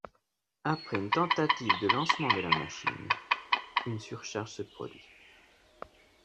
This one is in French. Après une tentative de lancement de la machine, une surcharge se produit.